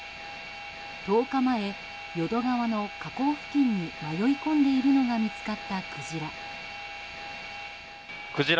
１０日前、淀川の河口付近に迷い込んでいるのが見つかったクジラ。